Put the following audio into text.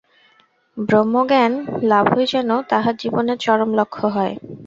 ব্রহ্মজ্ঞান লাভই যেন তাঁহার জীবনের চরম লক্ষ্য হয়।